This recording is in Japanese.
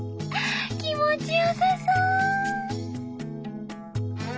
気持ちよさそう！